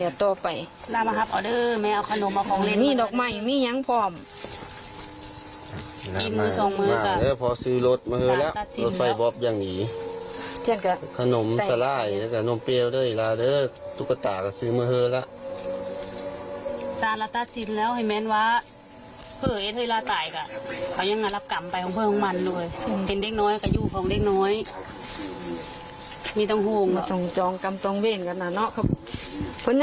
อีไหล่กอะว่าต้องจองกำต้องเว่นมั่นอะ